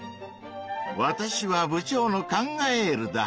わたしは部長のカンガエールだ。